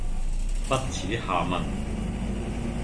不恥下問